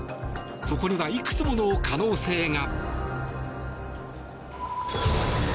そこには、いくつもの可能性が。